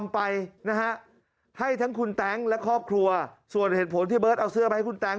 เป็นผลที่เบิร์ตเอาเสื้อมาให้คุณแตง